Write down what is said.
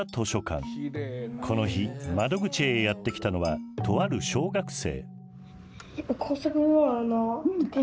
この日窓口へやって来たのはとある小学生。